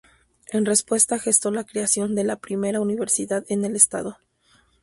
En respuesta, gestó la creación de la primera universidad en el estado.